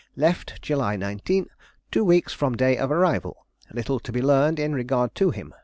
Left July 19, two weeks from day of arrival. Little to be learned in regard to him.